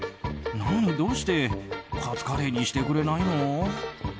なのにどうしてカツカレーにしてくれないの？